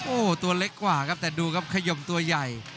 โอ้โหตัวเล็กกว่าครับแต่ดูครับขยมตัวใหญ่